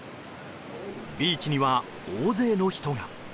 ビーチには大勢の人が。